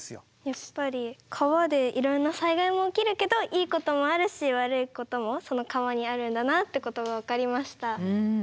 やっぱり川でいろんな災害も起きるけどいいこともあるし悪いこともその川にあるんだなということが分かりました。